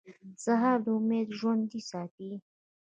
سهار د امید ژوندی ساتي.